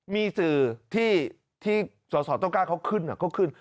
มีสื่อที่สอสอต้องกล้าเขาขึ้นเขาขึ้น